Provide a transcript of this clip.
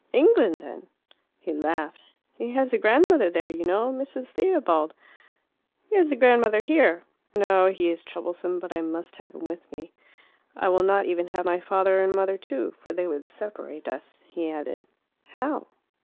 "England, then " He laughed. "He has a grandmother there, you know Mrs. Theobald." "He has a grandmother here. No, he is troublesome, but I must have him with me. I will not even have my father and mother too. For they would separate us," he added. "How?"